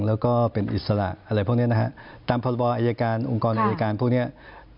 และก็เป็นอิสระอะไรพวกนี้ที่เผาโปรบออายการองค์กรอายการพวกนั้น